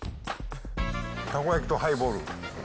たこ焼きとハイボール。